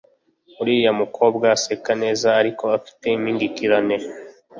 Uriya mukobwa aseka neza ariko afite impingikirane